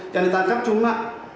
yang ditangkap cuma